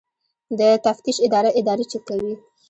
د تفتیش اداره ادارې چک کوي